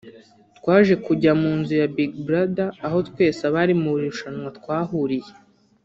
twaje kujya mu nzu ya Big Brother aho twese abari mu irushanwa twahuriye